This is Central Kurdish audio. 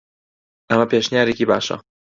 ئەمە پێشنیارێکی باشە.